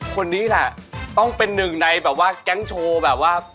คนนี้แหละต้องเป็นหนึ่งในแบบว่าแก๊งโชว์แบบว่า